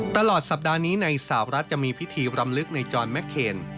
ตลอดสัปดาห์นี้ในสาวรัฐจะมีพิธีรำลึกในจอนแมคเคน